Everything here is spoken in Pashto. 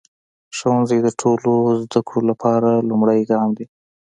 ښوونځی د ټولو زده کړو لپاره لومړی ګام دی.